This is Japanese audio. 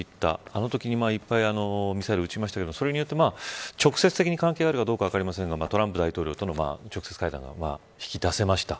あのときに、いっぱいミサイルを打ちましたけどそれによって直接的に関係あるか分かりませんがトランプ大統領との直接会談が引き出せました。